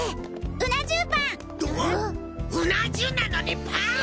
うな重なのにパン！？